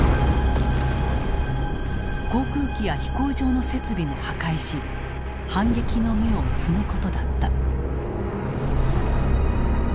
航空機や飛行場の設備も破壊し反撃の芽を摘むことだった。